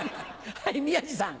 はい宮治さん。